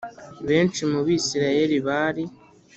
Abenshi mu Bisirayeli bari